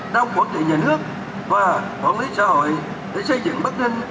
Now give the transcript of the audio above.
đã phổ thị nhà nước và quản lý xã hội để xây dựng bắc ninh